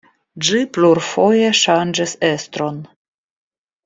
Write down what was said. Ĝi plurfoje ŝanĝis estron.